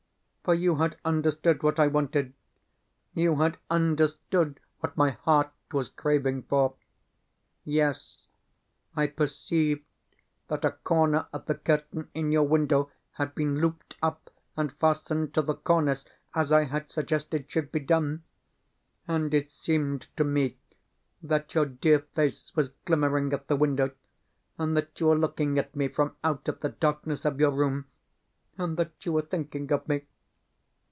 For you had understood what I wanted, you had understood what my heart was craving for. Yes, I perceived that a corner of the curtain in your window had been looped up and fastened to the cornice as I had suggested should be done; and it seemed to me that your dear face was glimmering at the window, and that you were looking at me from out of the darkness of your room, and that you were thinking of me.